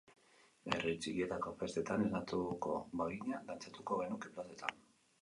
Herri txikietako festetan esnatuko bagina dantzatuko genuke plazetan.